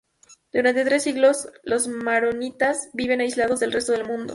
Durante tres siglos, los maronitas viven aislados del resto del mundo.